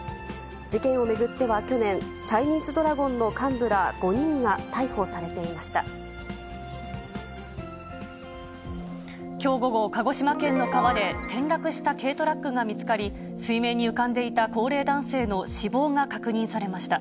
事件を巡っては去年、チャイニーズドラゴンの幹部ら５人が逮捕さきょう午後、鹿児島県の川で転落した軽トラックが見つかり、水面に浮かんでいた高齢男性の死亡が確認されました。